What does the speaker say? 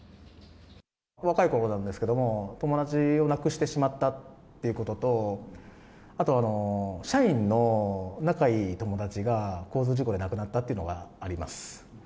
若いころなんですけども、友達を亡くしてしまったっていうことと、あと、社員の仲いい友達が、交通事故で亡くなったっていうのがあります。